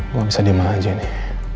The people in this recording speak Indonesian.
gue bisa diam aja nih